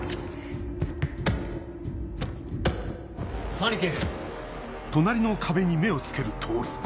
兄貴！